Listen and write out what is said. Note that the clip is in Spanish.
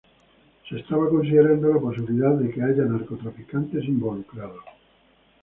Se está considerando la posibilidad de que haya narcotraficantes involucrados.